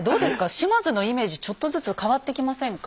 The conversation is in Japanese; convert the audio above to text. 島津のイメージちょっとずつ変わってきませんか。